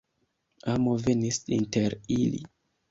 Amo venis inter ili.